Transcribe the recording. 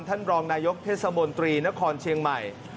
ท่านรองนายกเทศบนตรีนครเชียงใหม่